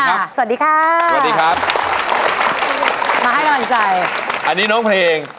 สวัสดีค่ะสวัสดีครับมาให้กำลังใจอันนี้น้องเพลง